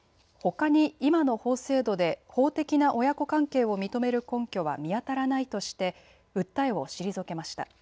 ほかに今の法制度で法的な親子関係を認める根拠は見当たらないとして訴えを退けました。